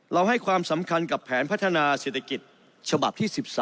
ให้ความสำคัญกับแผนพัฒนาเศรษฐกิจฉบับที่๑๓